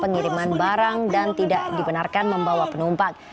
pengiriman barang dan tidak dibenarkan membawa penumpang